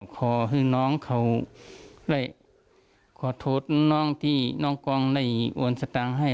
ขอให้น้องเขาได้ขอโทษน้องที่น้องกองได้โอนสตางค์ให้